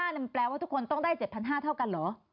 มันแปลว่าทุกคนต้องได้๗๕๐๐เท่ากันเหรอ